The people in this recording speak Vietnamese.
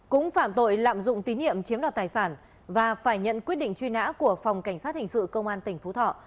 cũng phạm tội lạm dụng tín nhiệm chiếm đoạt tài sản và phải nhận quyết định truy nã của phòng cảnh sát hình sự công an tỉnh phú thọ